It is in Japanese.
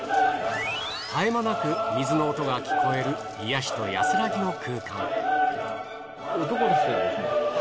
絶え間なく水の音が聞こえる癒やしと安らぎの空間。